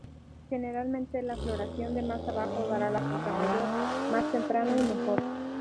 Generalmente la floración de más abajo dará la fruta mayor, más temprana y mejor.